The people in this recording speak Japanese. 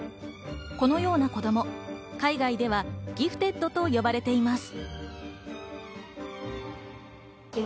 このような子供、海外ではギフテッドと呼ばれています。